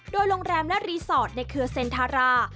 โดยโรงแรมและนี้เขือเซ็นธารา